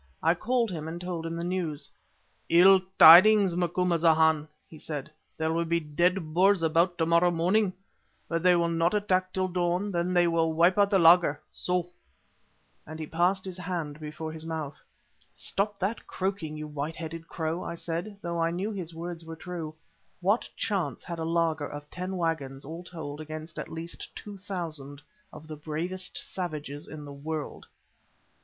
I called him and told him the news. "Ill tidings, Macumazahn," he said; "there will be dead Boers about to morrow morning, but they will not attack till dawn, then they will wipe out the laager so!" and he passed his hand before his mouth. "Stop that croaking, you white headed crow," I said, though I knew his words were true. What chance had a laager of ten waggons all told against at least two thousand of the bravest savages in the world?